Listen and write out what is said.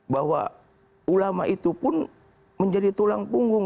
bahwa ulama itu pun menjadi tulang punggung